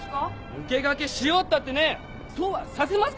抜け駆けしようったってねそうはさせますかっていうのよ！